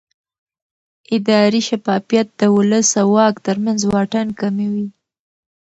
اداري شفافیت د ولس او واک ترمنځ واټن کموي